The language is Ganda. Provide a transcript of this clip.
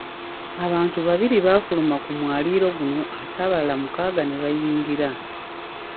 Abantu babiri baafuluma ku mwaliiro guno ate abalala mukaaga ne bayingira.